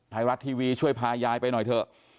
ไทยรัฐทีวีช่วยพายายไปหน่อยเถอะ